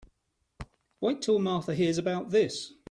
Wait till Martha hears about this.